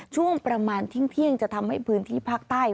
ช่วงประมาณเที่ยงจะทำให้พื้นที่ภาคใต้